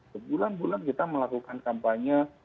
sebulan bulan kita melakukan kampanye